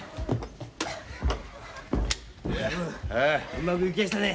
うまくいきやしたね。